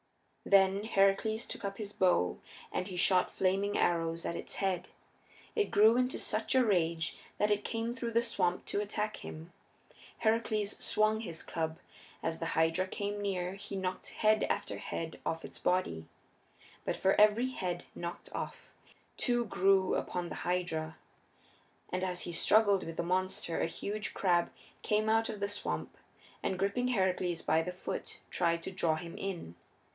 Then Heracles took up his bow and he shot flaming arrows at its heads. It grew into such a rage that it came through the swamp to attack him. Heracles swung his club. As the Hydra came near he knocked head after head off its body. But for every head knocked off two grew upon the Hydra. And as he struggled with the monster a huge crab came out of the swamp, and gripping Heracles by the foot tried to draw him in.